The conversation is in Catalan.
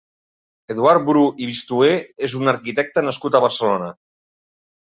Eduard Bru i Bistuer és un arquitecte nascut a Barcelona.